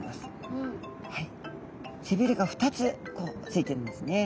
背びれが２つこうついてるんですね。